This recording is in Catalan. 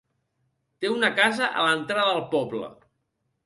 Té una casa a l'entrada del poble.